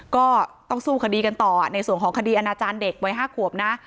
ก็ต้องสู้คดีกันต่อในส่วนของคดีอาณาจารย์เด็กวัย๕ขวบนะ